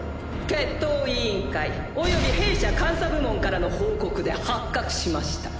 決闘委員会および弊社監査部門からの報告で発覚しました。